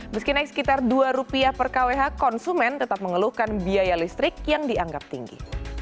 meski naik sekitar rp dua per kwh konsumen tetap mengeluhkan biaya listrik yang dianggap tinggi